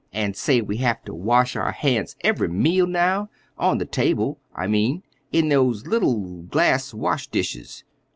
An' say, we have ter wash our hands every meal now—on the table, I mean—in those little glass wash dishes.